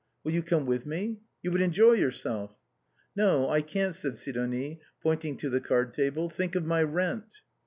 Will you come with me ? You would enjoy yourself." "No, I can't," said Sidonie, pointing to the card table; " think of my rent."